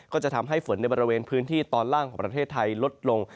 ก็จะทำให้ฝนในบริเวณพื้นที่ตอนล่างของประเทศไทยลดลง